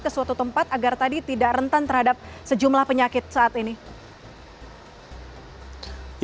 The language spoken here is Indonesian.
ke suatu tempat agar tadi tidak rentan terhadap sejumlah penyakit saat ini